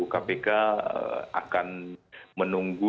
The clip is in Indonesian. kpk akan menunggu